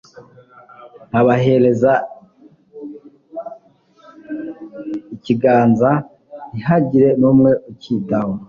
nkabahereza ikiganza ntihagire n'umwe ucyitaho